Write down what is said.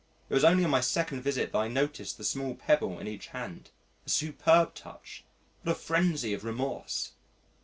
It was only on my second visit that I noticed the small pebble in each hand a superb touch! what a frenzy of remorse!